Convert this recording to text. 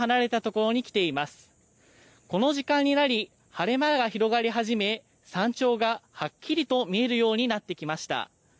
この時間になり晴れ間が広がり始め山頂がはっきりと見えるようになってきました。